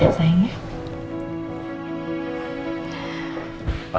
gak ada apa apa